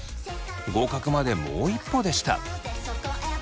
合格までもう一歩でした。